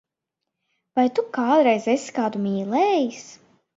Vai Tu kādreiz esi kādu mīlējis?